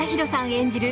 演じる